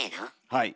はい。